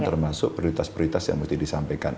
termasuk prioritas prioritas yang mesti disampaikan